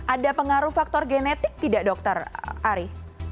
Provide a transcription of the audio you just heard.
ada pengaruh faktor genetik tidak dokter ari